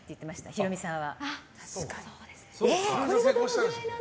ヒロミさん